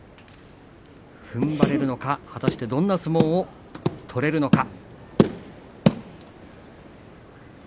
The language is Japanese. ふんばれるのか果たしてどんな相撲を取れるのか。